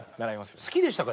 好きでしたか？